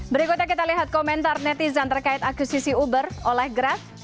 berikutnya kita lihat komentar netizen terkait akuisisi uber oleh grab